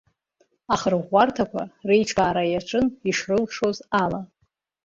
Ахрыӷәӷәарҭақәа реиҿкаара иаҿын ишрылшоз ала.